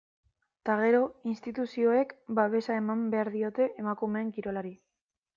Eta, gero, instituzioek babesa eman behar diote emakumeen kirolari.